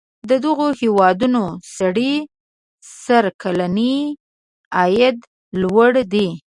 د دغو هیوادونو سړي سر کلنی عاید لوړ دی.